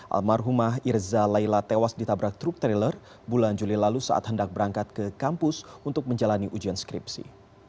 almarhumah irza laila tewas ditabrak truk trailer bulan juli lalu saat hendak berangkat ke kampus untuk menjalani ujian skripsi